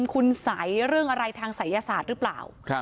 คุณสัยเรื่องอะไรทางศัยศาสตร์หรือเปล่า